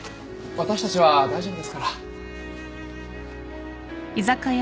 私たちは大丈夫ですから。